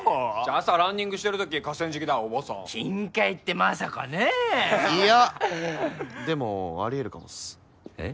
朝ランニングしてるとき河川敷で会うおばさん金塊ってまさかねえいやでもありえるかもっすえっ？